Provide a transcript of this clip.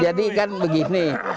jadi kan begini